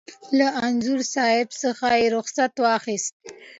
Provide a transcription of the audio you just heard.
له انځور صاحب څخه رخصت واخیست.